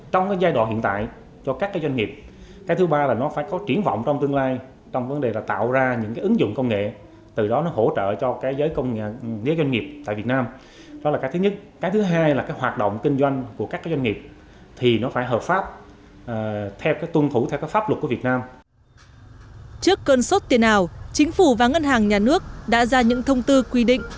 trước cơn sốt tiền ảo chính phủ và ngân hàng nhà nước đã ra những thông tư quy định